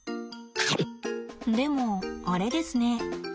でもあれですね。